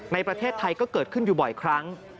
ในประเทศไทยก็เกิดขึ้นอยู่บ่อยครั้ง